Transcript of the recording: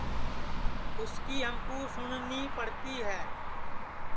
اُس کی ہمکُو سُٹؔنی پڑتی ہے